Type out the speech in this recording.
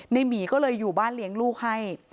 หมีก็เลยอยู่บ้านเลี้ยงลูกให้